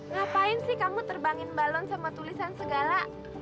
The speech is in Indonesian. ngapain sih kamu terbangin balon sama tulisan segala